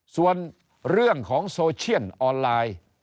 ส่วนเรื่องของโซเชียนออนไลน์